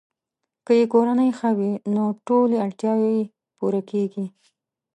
که یې کورنۍ ښه وي، نو ټولې اړتیاوې یې پوره کیږي.